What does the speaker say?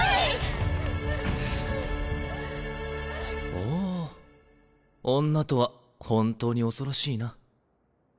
ほぉ女とは本当に恐ろしいな。